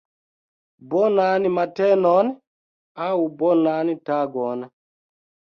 Bonan matenon, aŭ bonan tagon